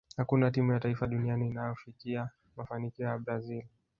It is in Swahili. hakuna timu ya taifa duniani inayofikia mafanikio ya brazil